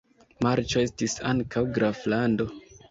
Marĉo estis ankaŭ graflando.